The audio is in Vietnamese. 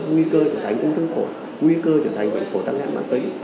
nguy cơ trở thành ung thư phổi nguy cơ trở thành bệnh phổi tắc nghẽn bản tính